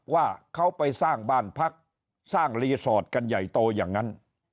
ว่าเขาไปสร้างบ้านพักสร้างรีสอร์ทกันใหญ่โตอย่างนั้น